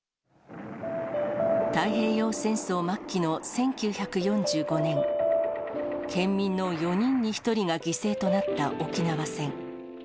太平洋戦争末期の１９４５年、県民の４人に１人が犠牲となった沖縄戦。